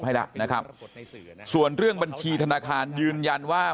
ให้แล้วนะครับส่วนเรื่องบัญชีธนาคารยืนยันว่า